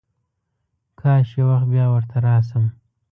کاش یو وخت بیا ورته راشم.